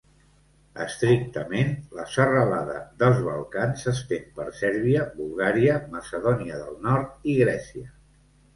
Estrictament, la serralada dels Balcans s'estén per Sèrbia, Bulgària, Macedònia del Nord i Grècia.